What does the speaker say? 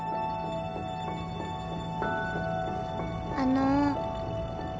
あの。